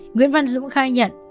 nguyễn văn dũng khai nhận